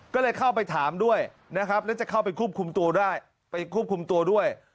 ก็เลยเข้าไปถามด้วยนะครับแล้วจะเข้าไปคุบคุมตัวด้วย